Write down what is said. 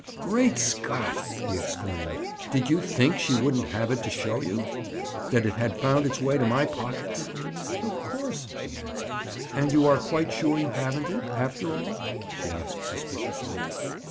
"Great Scott!" he exclaimed. "Did you think she wouldn't have it to show you? That it had found its way to my pockets?" "Of course," she answered. "And you are quite sure you haven't it, after all?" she asked suspiciously.